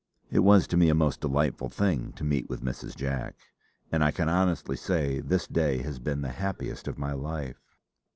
It was to me a most delightful thing to meet with Mrs. Jack; and I can honestly say this day has been the happiest of my life."